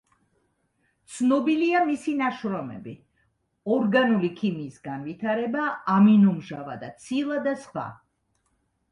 ცნობილია მისი ნაშრომები: „ორგანული ქიმიის განვითარება“, „ამინომჟავა და ცილა“ და სხვა.